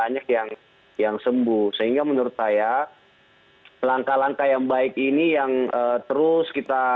banyak yang yang sembuh sehingga menurut saya langkah langkah yang baik ini yang terus kita